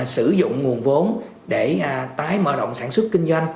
sử dụng nguồn vốn để tái mở rộng sản xuất kinh doanh